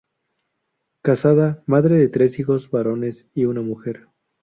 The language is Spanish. Casada, madre de tres hijos varones y una mujer.